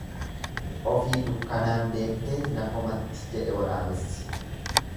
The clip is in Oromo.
Ofii dukkanaan deemteet na komatti jedhe waraabessi.